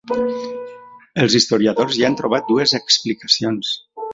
Els historiadors hi han trobat dues explicacions.